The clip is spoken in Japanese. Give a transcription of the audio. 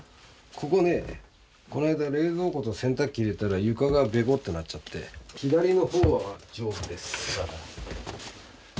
ここねこないだ冷蔵庫と洗濯機入れたら床がべこっとなっちゃって左の方は丈夫です。